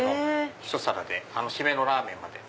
ひと皿で締めのラーメンまで。